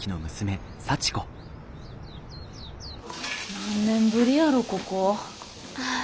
何年ぶりやろここ。